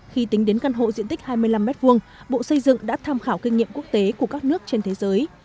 khi tính đến căn hộ diện tích hai mươi năm m hai bộ xây dựng đã tham khảo kinh nghiệm quốc tế của các nước trên thế giới